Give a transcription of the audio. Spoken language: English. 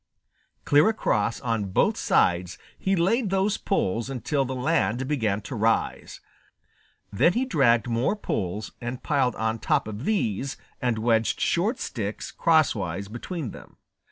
Clear across on both sides he laid those poles until the land began to rise. Then he dragged more poles and piled on top of these and wedged short sticks crosswise between them.